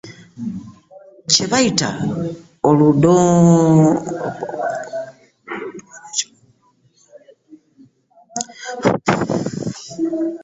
Kye bayita olubbobbo ani akimanyi?